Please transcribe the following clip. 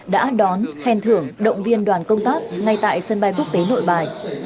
đã đón khen thưởng động viên đoàn công tác ngay tại sân bay quốc tế nội bài